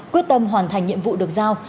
quyết tâm hoàn thành nhiệm vụ được giao